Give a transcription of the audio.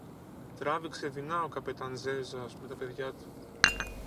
Τράβηξε δεινά ο καπετάν-Ζέζας με τα παιδιά του